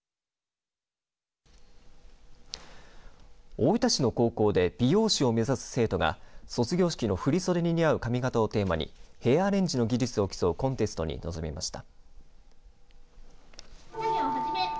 大分市の高校で美容師を目指す生徒が卒業式の振り袖に合う髪型をテーマにヘアアレンジの技術を競うコンテストに臨みました。